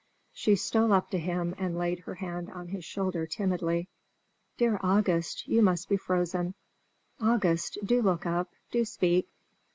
She stole up to him and laid her hand on his shoulder timidly. "Dear August, you must be frozen. August, do look up! do speak!"